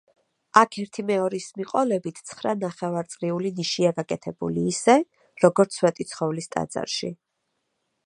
აქ ერთიმეორის მიყოლებით ცხრა ნახევარწრიული ნიშია გაკეთებული ისე, როგორც სვეტიცხოვლის ტაძარში.